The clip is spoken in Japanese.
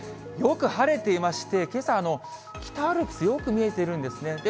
よく晴れていまして、けさ、北アルプス、よく見えているんですね。